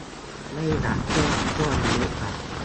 ไม่อยากเลือกช่วงอายุอะ